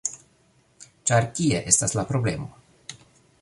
ĉar kie estas la problemo.